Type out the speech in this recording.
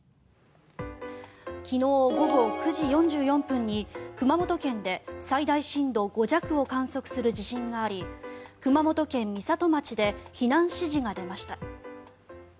昨日午後９時４４分に熊本県で最大震度５弱を観測する地震があり熊本県美里町で避難指示が出ました。